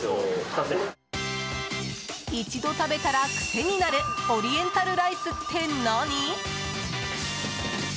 一度食べたら癖になるオリエンタルライスって何？